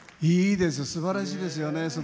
いいですすばらしいですよね。